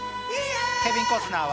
ケビン・コスナーは。